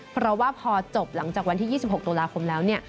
เพราะว่าพอจบหลังจากวันที่๒๖ตุลาคมแล้วเนี่ย